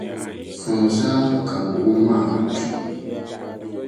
Sohi zaa ka buɣum maa kpi.